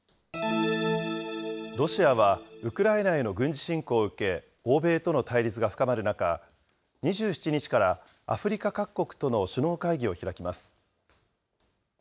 ロシアはウクライナへの軍事侵攻を受け、欧米との対立が深まる中、２７日からアフリカ各国との首脳会議を開きます。